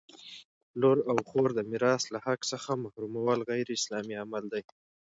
لور او خور د میراث له حق څخه محرومول غیراسلامي عمل دی!